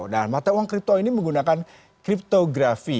dan mata uang kripto ini menggunakan kriptografi